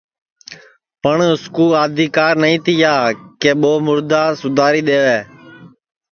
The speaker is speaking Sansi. پٹؔ اُس کُو آدیکار نائی تیا کہ ٻو مُردا سُداری لئیوے